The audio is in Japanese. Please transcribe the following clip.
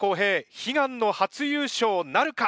悲願の初優勝なるか！？